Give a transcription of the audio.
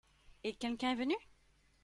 Et quelqu'un est venu ?